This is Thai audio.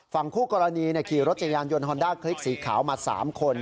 ฝั่งคู่กรณีขี่รถจักรยานยนต์ฮอนด้าคลิกสีขาวมา๓คน